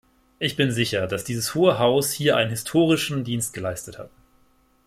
Ich bin sicher, dass dieses Hohe Haus hier einen historischen Dienst geleistet hat.